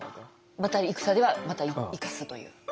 また戦ではまた生かすという。